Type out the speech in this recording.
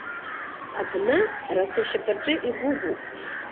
Абна араса ашьапаҿы игәыгәуп.